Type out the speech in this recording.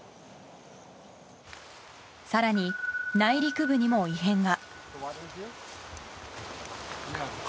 更に内陸部にも異変が。